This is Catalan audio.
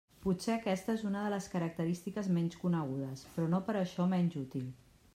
Potser aquesta és una de les característiques menys conegudes, però no per això menys útil.